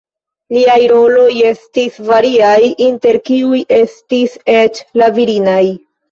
Liaj roloj estis variaj, inter kiuj estis eĉ la virinaj.